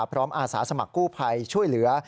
อาสาสมัครกู้ภัยช่วยเหลือ